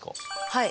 はい。